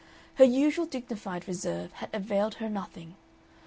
Her usual dignified reserve had availed her nothing.